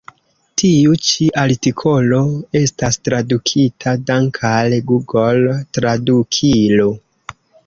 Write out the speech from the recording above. Tiu ĉi artikolo estas tradukita dank' al Google-Tradukilo.